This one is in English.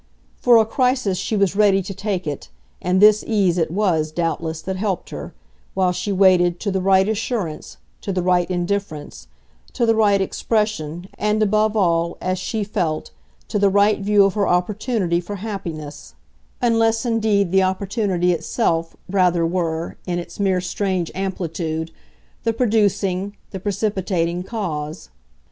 For a crisis she was ready to take it, and this ease it was, doubtless, that helped her, while she waited, to the right assurance, to the right indifference, to the right expression, and above all, as she felt, to the right view of her opportunity for happiness unless indeed the opportunity itself, rather, were, in its mere strange amplitude, the producing, the precipitating cause.